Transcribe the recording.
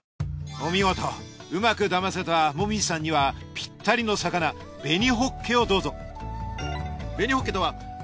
お見事うまく騙せた紅葉さんにはピッタリの魚紅ホッケをどうぞ。